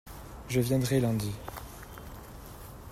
Je viendrai lundi.